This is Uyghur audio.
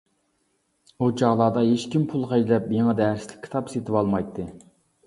ئۇ چاغلاردا ھېچكىم پۇل خەجلەپ يېڭى دەرسلىك كىتاب سېتىۋالمايتتى.